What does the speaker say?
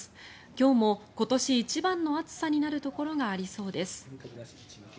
今日も今年一番の暑さになるところがありそうです。